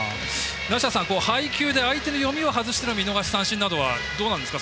配球で相手の読みを外しての見逃し三振はどうなんですか？